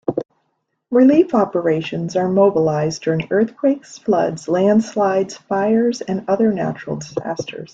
Relief operations are mobilized during earthquakes, floods, landslides, fires and other natural disasters.